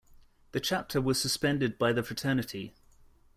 The chapter was suspended by the fraternity.